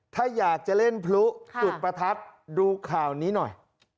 ถ้าอยากจะเล่นพลุจุดประทัดดูข่าวนี้หน่อย